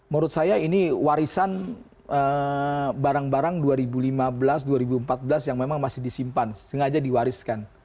menurut saya ini warisan barang barang dua ribu lima belas dua ribu empat belas yang memang masih disimpan sengaja diwariskan